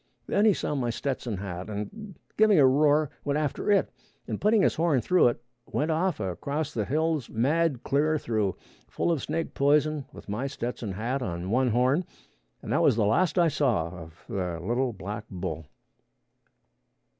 Then he saw my Stetson hat, and giving a roar, went after it, and putting his horn through it, went off across the hills mad clear through, full of snake poison, with my Stetson hat on one horn, and that was the last I saw of the little black bull.